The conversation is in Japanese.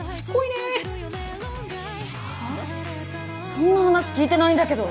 そんな話聞いてないんだけど！